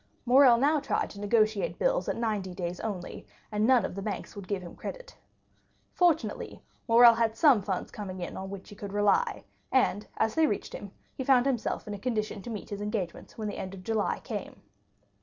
Morrel now tried to negotiate bills at ninety days only, and none of the banks would give him credit. Fortunately, Morrel had some funds coming in on which he could rely; and, as they reached him, he found himself in a condition to meet his engagements when the end of July came.